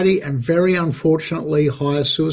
dan demensia lima puluh persen lebih demensia